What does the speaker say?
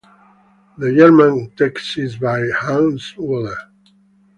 The German text is by Hannes Wader.